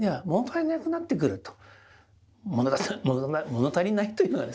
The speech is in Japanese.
もの足りないというのがですね